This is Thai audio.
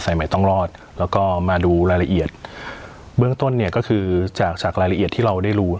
ใหม่ต้องรอดแล้วก็มาดูรายละเอียดเบื้องต้นเนี่ยก็คือจากจากรายละเอียดที่เราได้รู้